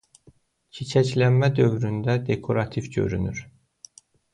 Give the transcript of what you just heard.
Çiçəkləmə dövründə dekorativ görünür.